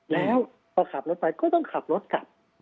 แล้วพอขับรถไปก็ต้องขับรถกลับ